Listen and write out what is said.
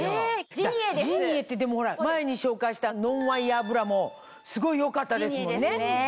ジニエって前に紹介したノンワイヤーブラもすごい良かったですもんね。